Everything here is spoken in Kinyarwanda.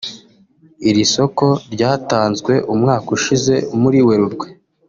Iri soko ryatanzwe umwaka ushize muri Werurwe